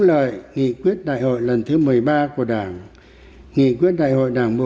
đây là nhiệm vụ trọng tâm then chốt của cả nhiệm kỳ và những năm tiếp theo